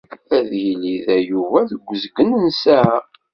Ad yili da Yuba deg azgen n ssaɛa.